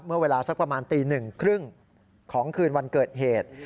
เมื่อเวลาสักประมาณตี๑๓๐ของคืนวันเกิดเหตุ